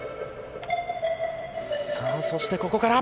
さあそしてここから。